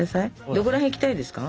どこら辺行きたいですか？